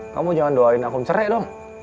kamu jangan doain akung cerai dong